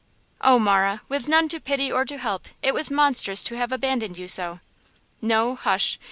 "Oh, Marah, with none to pity or to help; it was monstrous to have abandoned you so!" "No; hush!